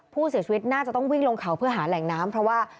ผู้เสียชีวิตน่าจะต้องวิ่งลงเขาเพื่อหาแหล่งน้ำเพราะว่า